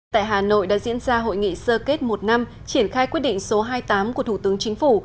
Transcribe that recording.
tại hà nội đã diễn ra hội nghị sơ kết một năm triển khai quyết định số hai mươi tám của thủ tướng chính phủ